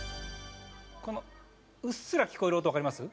このうっすら聞こえる音わかります？